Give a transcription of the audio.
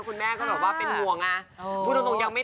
คุณแม่ก็ต้องบอกว่าเป็นหัวไง